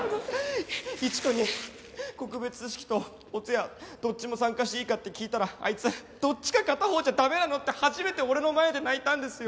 イチ子に告別式とお通夜どっちも参加していいかって聞いたらあいつ「どっちか片方じゃダメなの？」って初めて俺の前で泣いたんですよ。